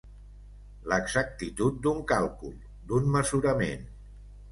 L'exactitud d'un càlcul, d'un mesurament.